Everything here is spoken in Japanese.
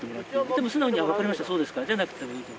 でも素直に分かりましたそうですかじゃなくてもいいと。